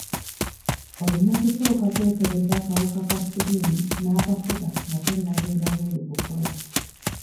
Olina kusooka kwekebeza kawuka ka siriimu n'akafuba nga tonnagenda bweru kukola.